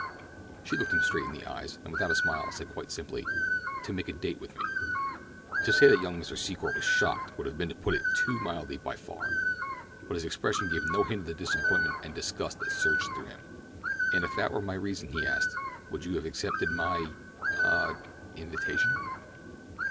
She looked him straight in the eyes, and without a smile said quite simply: "To make a date with me." To say that young Mr. Secor was shocked would have been to put it too mildly by far; but his expression gave no hint of the disappointment and disgust that surged through him. "And if that were my reason," he asked, "would you have accepted my—ah—invitation?"